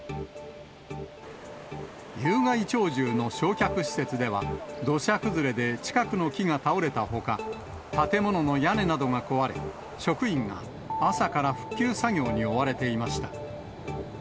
有害鳥獣の焼却施設では、土砂崩れで近くの木が倒れたほか、建物の屋根などが壊れ、職員が朝から復旧作業に追われていました。